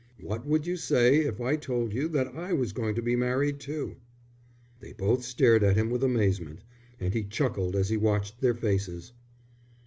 What would you say if I told you that I was going to be married too?" They both stared at him with amazement, and he chuckled as he watched their faces.